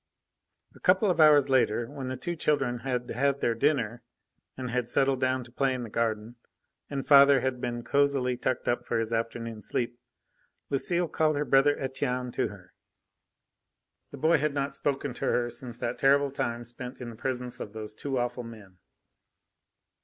III A couple of hours later, when the two children had had their dinner and had settled down to play in the garden, and father been cosily tucked up for his afternoon sleep, Lucile called her brother Etienne to her. The boy had not spoken to her since that terrible time spent in the presence of those two awful men.